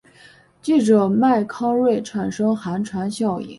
记者麦康瑞产生寒蝉效应。